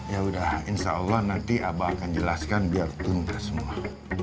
ya udah insya allah nanti abang akan jelaskan biar tuntas semua